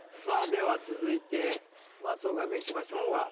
さあでは続いて松岡君いきましょうか。